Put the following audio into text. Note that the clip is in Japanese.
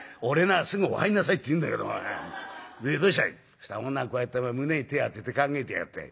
「そしたら女がこうやって胸に手を当てて考えてやがったよ。